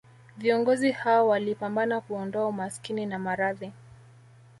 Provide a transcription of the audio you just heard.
Viongozi hao walipambana kuondoa umaskini na maradhi